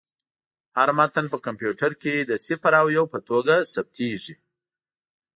هر متن په کمپیوټر کې د صفر او یو په توګه ثبت کېږي.